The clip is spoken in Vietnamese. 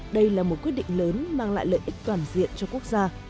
đây là một quyết định lớn mang lại lợi ích toàn diện cho quốc gia